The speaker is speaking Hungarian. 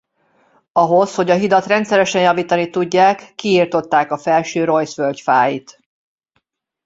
Ahhoz hogy a hidat rendszeren javítani tudják kiirtották a felső Reuss-völgy fáit.